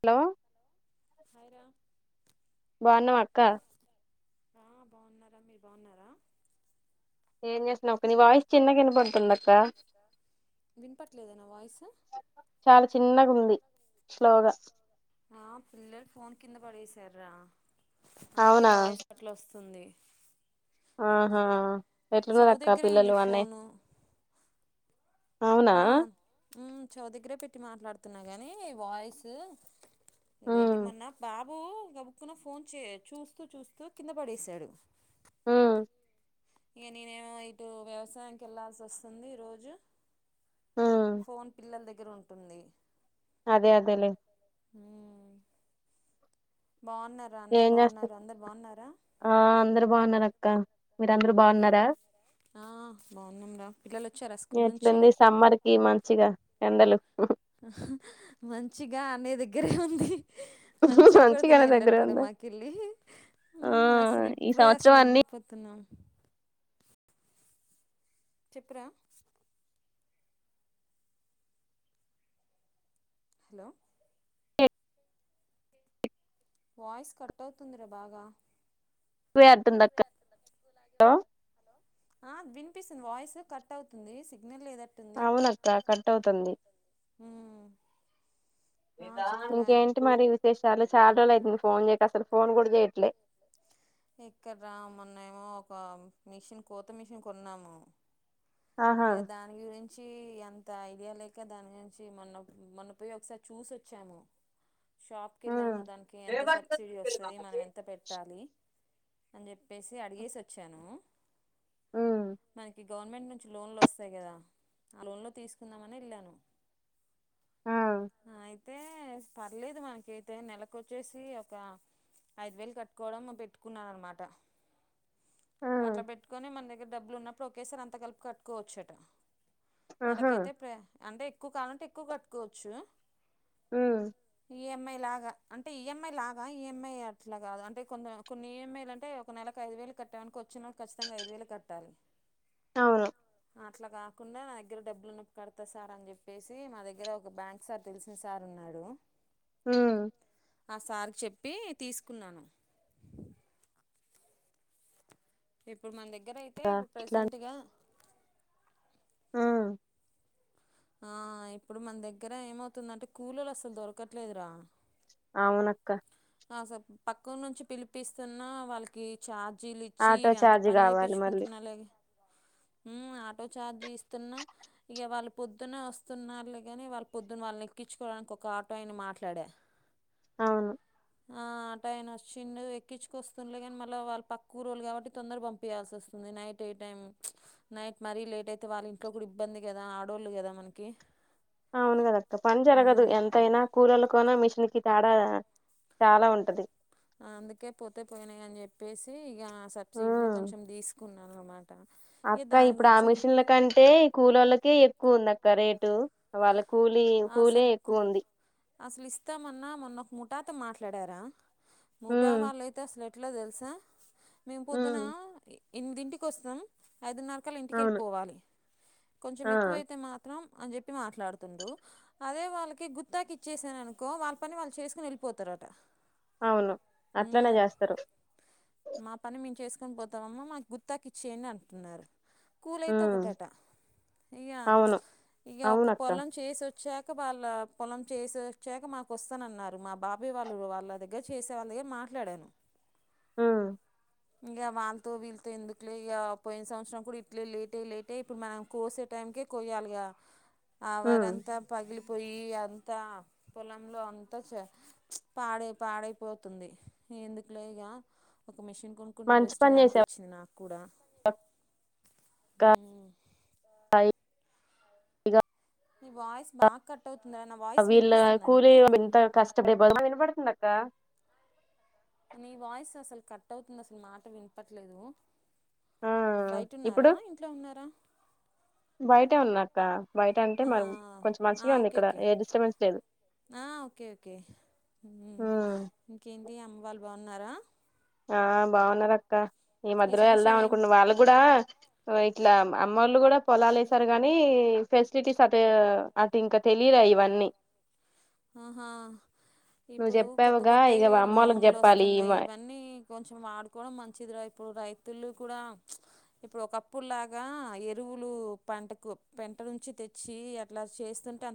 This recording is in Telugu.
హలో హాయ్రా బాగున్నావా అక్క ఆ బాగున్నారా మీరు బాగున్నారా ఏం చేస్తునావ్ అక్క నీ వాయిస్ చిన్నగ వినపడుత్ ఏదక్క వినపట్లేదా నా వాయిస్ చాలా చిన్నగా ఉంది స్లోగా ఆ పిల్లలు ఫోన్ కింద పడేసార్ రా అందుకే అవునా వాయిస్ అట్ల వస్తుంది ఉంది ఆహా ఎట్లు ఉన్నారక్క దగ్గరే ఉంది పిల్లలు అన్న ఫోను అవునా ఆ ఉమ్ చవవు దగ్గరే పెట్టి మాట్లాడుతున్నా కానీ వాయిస్ ఉమ్ ఇదేంటి మోన్న బాబు గబక్కున ఫోన్ చే చూస్తూ చూస్తూ కింద పడేసాడు ఉమ్ ఇక నేనేమో ఇటు వ్యవసాయానికి వెళ్లాల్సి వస్తుంది రోజు ఉమ్ ఫోన్ పిల్లల దగ్ దగ్గర ఉంటుంది అదే అదేలే ఉమ్ బాగున్నారా అన్నయ్య ఏం చేస్తా బాగున్నారు అందరు బాగున్నారా క్క మీరందరు బాగున్నారా ఆ బాగున్నాంరా పిల్లలు వచ్చారా స్కూల్ నుంచి ఎట్లుంది సమ్మర్ కి మంచిగా ఎండలు [unintelligible] మంచిగా అనే దగ్గరే ఉంది మంచి మంచిగానే కొడుతున్నాయ్ దగ్గర ఎండలు కూడా ఉందా మాకెళ్ళి ఆ అసలు ఈ ఇప్పుడే సంవత్సరం అసలు అన్ని ఉండలిపోతున్నాం చెప్పురా హలో వాయిస్ కట్ అవుతుందిరా బాగా వేద్ దక్క హలో పిస్సంధి వాయిస్ కట్ అవుతుంది సి అవునక్క కట్ అవుతుంది ఉమ్, ఆ, చెప్పురా ఇంకేంటి మరి విశేషాలు చాలా రోజులు అయితుంది ఫోన్ చేయక అసలు ఫోన్ కూడా చేయట్లే ఎక్కడ్రా మొన్నేమో ఒక మిషన్ కోత మిషన్ కొన్నాము ఆహా ఇక దాని గురిం చి అంత ఐడియా లేక దాని గురించి మొన మొన్న పోయ్ ఒకసారి చూసొచ్చాము షాప్కి ఉమ్ వెళ్ళాము దానికి ఎంత సబ్సిడీ వస్తది మనం ఎంత పెట్టాలి అన్ చెప్ ప్పేసి అడిగేసి వచ్చాను ఉమ్ మనకి గవర్నమెంట్ నుంచి లోన్లు వస్తాయి కదా ఆ లోన్లో తీసుకుందామని వెళ్ళాను ఆ తే పర్లేేదు మనకఅయితే నెలకొచ్చేసి ఒక ఐదు వేలు కట్టుకోవడం పెట్టుకున్నారనమాట ఆ అట్ల పెట్టుకొని మన దగ్ డబ్బులు ఉన్నప్పుడు ఒకేసారి అంత కలుపి కట్టుకోవచ్చట ఆహా నెలకైతే ప్ర అంటే ఎక్కువ కావాలంటే ఎక్కువ కట్టుకోవచ్చు ఉమ్ ఈఎంఐ లాగా అంటే ఈఎంఐ లాగా ఈఎంఐ అట్లా కాదు అంటే కొ కొన్ని ఈఎంఐలు అంటే ఒక నెలలకు ఐదు వేలు కట్టామనుకో వచ్చేప్రతినెలకి ఖచ్చితంగా ఐదు వేలు కట్టాలి అవును అట్లా కాకున్ డా నా దగ్గర డబ్బులుఉన్నపుడు కడతా సార్ అని చెప్పేసి మా దగ్గర ఒక బ్యాంక్ ఒకసార్ తెలిసిన సార్ ఉన్నాడు ఉమ్ ఆ సారి కి చెప్పి తీసుకున్నాను ఇప్పుడు మన దగ్ గ్గర అయితే ప్రజెంట్ గా ఆ ఆ ఇప్పుడు మన దగ్గర ఏమవుతుందంటే కూలీలు అసలు దొరకట్లేదురా అవునక్క అసల్ పక్క నుంచి పిలిపిస్తున్న వాళ్ళకి చార్ ర్జీలు ఇచ్చి ఆటో అంత ఛార్జ్ పని కావాలి మళ్ళీ చెపించుకుంటున్నలగ ఉమ్ ఆటో ఛార్జీలు ఇస్తున్నా ఇక వాళ్ళు పొద్దున్నే వస్తున్నారులే కాని వాళ్ళు పొద్దున్న వాళ్ళను ఎక్కించుకోవరానికి ఒక ఆటో ఆయను మాట్లాడ అవును ఆ టైన్ వచ్చిండు ఎక్కించుకొస్తుండలే కానీ మళ్ళీ వాళ్ళు పక్క ఊరోళ్ళు కాబట్టి తొందర పంపయాల్సి వస్తుంది నైట్ ఏ టైం నైట్ మరీ లేట్ అయితే వాళ్ళ ఇంట్లో కూడా ఇబ్బంది కదా ఆడోళ్ళు కదా మనకి ఆవునుగద అక్క పని జరగదు ఉమ్. ఎంత యినా కూరలుకు అను మిషిన్కి తేడా చాలా ఉంటది అందుకే పోతే పోయినాయి అని చెప్పేసి ఇగ సబ్సిడీ లో ఉమ్ కొంచెం తీసుకు అక్క ఇప్పుడు ఆ మిషన్ల కంటే కూలోళ్ళకే ఎక్కువుంది అక్క రేటు వాళ్ళకు కూలీ కూలే అసలు కు- ఎక్కువ ఉంది అసలు ఇస్తామన్నా మొన్న ఒక ముఠాతో మాట్లాడారా మటా ఉమ్ వాళ్ళైతే అసలు ఎట్లా తెలుసా మేము పొద్దున ఉమ్ ఎన్మిదింటికి వస్తాం ఐదున్నరకాళ ఇంటికి అవును వెళ్ళిపోవాలి కొంచెం ఆ ఎక్కువైతే మాత్రం అని చెప్పి మాట్లాడుతుండ్రు అదే వాళ్ళకి గుత్తాకి ఇచ్చేసాను అనుకో వాళ్ళ పని వాళ్ళు చేసుకుని వెళ్ళిపోతారట అవును అట్లనే ఉమ్. చేస్తారు పక్కన పోతావమ్మా మాకు గుర్తాకి ఇచ్చేయండి అంటున్నారు కూలయితే ఉమ్ ఒకటట ఇగ అవును ఇగ ఒక అవునక్క పొలం చేసి వ చాక వాళ్ళ పొలం చేసొచాక మాకు వస్తానన్నారు మా బాబాయ్ వాళ్ళు వాళ్ళ దగ్గర చేసే వాళ్ళ దగ్గర మాట్లాడాను హ్మ్ ఇంక వాళ్ళతో వీళ్ళతో ఎందుకులే ఇక పోయిన సంవత్సరం కూడా ఇట్లే లేటై లేటై ఇప్పుడు మనం కోసే టైంకే కోయాలిగా ఆ ఉమ్ వరంతా పగిలిపోయి అంత పొలంలో అంత పాడే పాడైపోతుంది ఎందుకులే ఇగా ఒక మిషన్ కొనుక్కుంటే మంచి బెస్ట్ పని గా చేసావు అనిపింది నాకు కుడా కా ఫైయ్ నీ వాయిస్ బాగా కట్ అవుతుందా నా వాయిస్ వీళ్ళ వినిపిస్తుందా కూలీ నీకు ఎంత కష్టపడిపౌ నీ వాయిస్ అసలు కట్ అవుతుంది అసలు మాట వినపట్లేదు ఆ బయట ఇప్పుడు ఉన్నారా ఇంట్లో ఉన్నారా బయటే ఉన్నాక్క బయట అంటే ఆహ మరి కొంచెం ఆ మంచిగా ఉంది ఓకే ఇక్కడ ఓకే ఏ డిస్టర్బెన్స్ లేదు ఆ ఓకే ఓకే ఉమ్ ఇంకేంటి అమ్మ వాళ్ళు బాగున్నారా ఆ బాగున్నారు అక్క ఈ మధ్యలో సంవత్సరం వెళ్దాం ఏం అనుకున్న వాళ్ళ కూడా తో ఇట్లా అమ్మోళ్ళు కూడా పొలాలేశారు గానీ ఫెసిలిటీస్ అటు అటు ఇంక తెలీలా ఇవన్నీ ఆహా నువ్వు ఇప్పుడు కొత్త చెప్పావుగా ఇక కొత్తయి అమ్మోళ్ళకి లోన్లొస్తున్నాయి చెప్పాలి ఇవన్నీ కొంచెం వాడుకోవడం మంచిది రా ఇప్పుడు రైతులు కూడా ఇప్పుడు ఒకప్పుడులాగా ఎరువులు పంటకు పెంట నుంచి తెచ్చి అట్లా చేస్తుంటే [unintelligible]